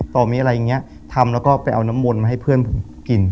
ต่อมีอะไรอย่างนี้ทำแล้วก็ไปเอาน้ำมนต์มาให้เพื่อนผมกิน